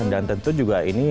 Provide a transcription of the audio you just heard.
dan tentu juga ini harusnya juga